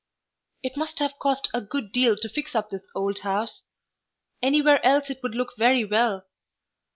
"It must have cost a good deal to fix up this old house. Anywhere else it would look very well."